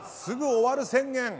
すぐ終わる宣言。